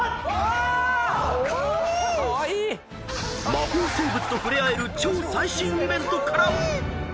［魔法生物と触れ合える超最新イベントから］